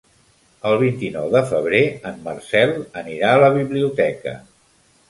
El vint-i-nou de febrer en Marcel anirà a la biblioteca.